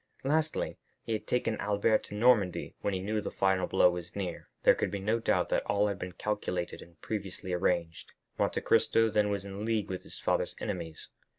Lastly, he had taken Albert to Normandy when he knew the final blow was near. There could be no doubt that all had been calculated and previously arranged; Monte Cristo then was in league with his father's enemies.